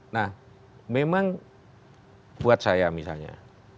nah memang buat saya misalnya